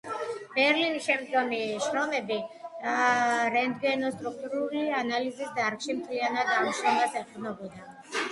ბერნალის შემდგომი შრომები რენტგენოსტრუქტურული ანალიზის დარგში მთლიანად ამ შრომას ეყრდნობოდა.